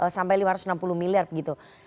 sampai lima ratus enam puluh miliar begitu